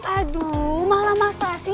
aduh malah masa sih